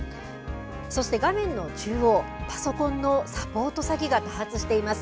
そして画面の中央、パソコンのサポート詐欺が多発しています。